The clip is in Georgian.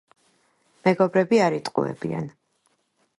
მეგობრები არ იტყუებიან.